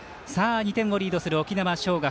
２点をリードする沖縄尚学。